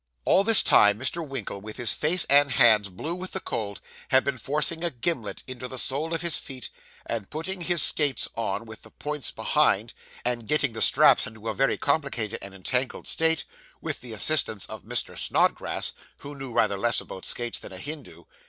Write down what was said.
All this time, Mr. Winkle, with his face and hands blue with the cold, had been forcing a gimlet into the sole of his feet, and putting his skates on, with the points behind, and getting the straps into a very complicated and entangled state, with the assistance of Mr. Snodgrass, who knew rather less about skates than a Hindoo.